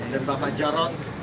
dan bapak jarot